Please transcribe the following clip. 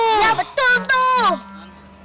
iya betul tuh